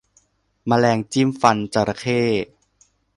แมลงจิ้มฟันจระเข้